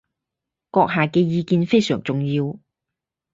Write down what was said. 閣下嘅意見非常重要